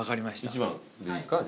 １番でいいですか？